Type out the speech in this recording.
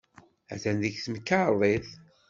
Atan deg temkarḍit.